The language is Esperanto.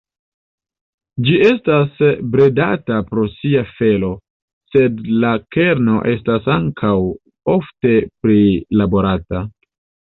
Ĝi estas bredata pro sia felo, sed la karno estas ankaŭ ofte prilaborata.